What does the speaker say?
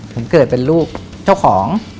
ผมเกิดเป็นลูกเจ้าของ